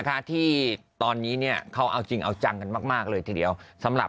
ค่ะที่ตอนนี้เนี่ยเขาเอาจริงเอาจังกันมากมากเลยทีเดียวสำหรับ